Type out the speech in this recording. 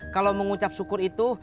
kalau mengucap syukur itu